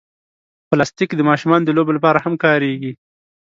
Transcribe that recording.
پلاستيک د ماشومانو د لوبو لپاره هم کارېږي.